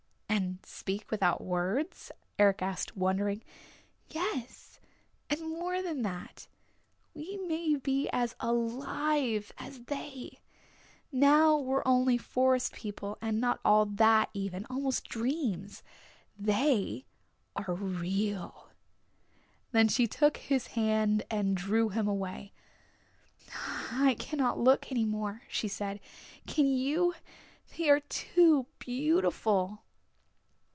"And speak without words?" Eric asked wondering. "Yes, and more than that. We may be as alive as they. Now we're only Forest people, and not all that even almost dreams. They are real!" Then she took his hand and drew him away. "I cannot look any more," she said; "can you? They are too beautiful!"